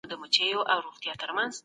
غلا د ټولنې نظم خرابوي.